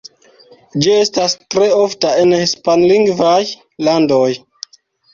Ĝi estas tre ofta en hispanlingvaj landoj.